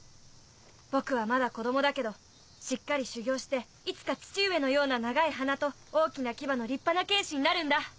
僕はまだ子供だけどしっかり修行していつか父上のような長い鼻と大きな牙の立派な剣士になるんだ。